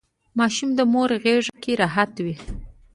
ماشوم د مور غیږکې راحت وي.